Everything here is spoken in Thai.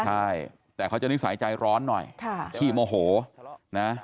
ใช่แต่เขาจะนิสัยใจร้อนหน่อยขี้โมโหนะ